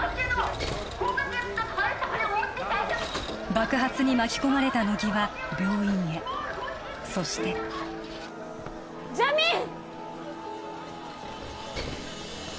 爆発に巻き込まれた乃木は病院へそしてジャミーン！